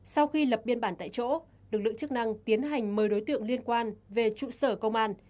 sau khi lập biên bản tại chỗ lực lượng chức năng tiến hành mời đối tượng liên quan về trụ sở công an